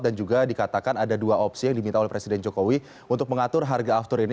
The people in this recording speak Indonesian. dan juga dikatakan ada dua opsi yang diminta oleh presiden jokowi untuk mengatur harga aftur ini